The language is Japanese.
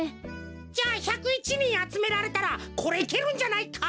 じゃ１０１にんあつめられたらこれいけるんじゃないか？